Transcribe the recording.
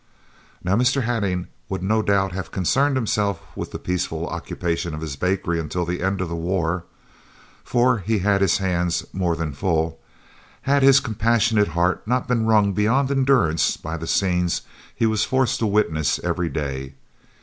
Now, Mr. Hattingh would no doubt have concerned himself with the peaceful occupation of his bakery until the end of the war (for he had his hands more than full), had his compassionate heart not been wrung beyond endurance by the scenes he was forced to witness every day.